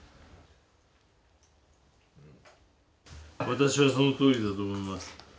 私はそのとおりだと思います。